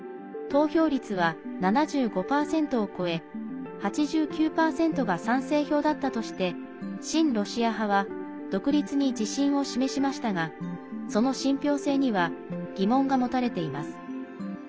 投票率は７５％を超え８９％が賛成票だったとして親ロシア派は独立に自信を示しましたがその信ぴょう性には疑問が持たれています。